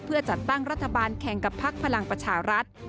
เพื่อจัดตั้งรัฐบาลแข่งกับพักพลังประชารัฐ